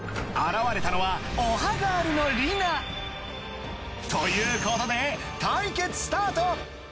現れたのはおはガールのリナ。ということで対決スタート